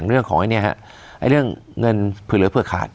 เรื่องของไอ้เนี่ยฮะไอ้เรื่องเงินเผื่อเหลือเผื่อขาด